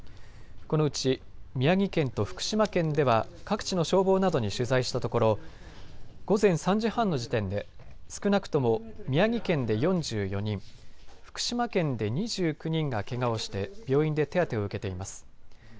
このうち宮城県と福島県では、各地の消防などに取材したところ午前３時半の時点で少なくとも宮城県で４４人、福島県で２９人がけがをして病院で手当てを受けています。